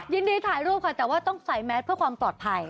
ยินดีถ่ายรูปค่ะแต่ว่าต้องใส่แมสเพื่อความตอดภัยนะคะ